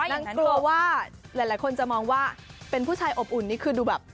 ยังกลัวว่าหลายคนจะมองว่าเป็นผู้ชายอบอุ่นนี่คือดูแบบ